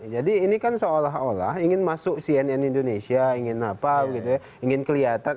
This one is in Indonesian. jadi ini kan seolah olah ingin masuk cnn indonesia ingin apa ingin kelihatan